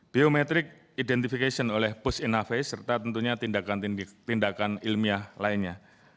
biometrik identifikasi oleh pus inavis serta tentunya tindakan ilmiah lainnya